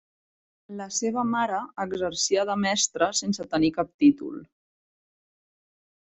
La seva mare exercia de mestra sense tenir cap títol.